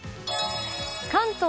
関東